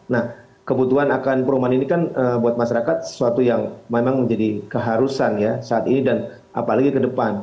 nah kebutuhan akan perumahan ini kan buat masyarakat sesuatu yang memang menjadi keharusan ya saat ini dan apalagi ke depan